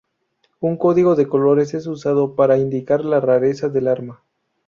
Un código de colores es usado para indicar la rareza del arma.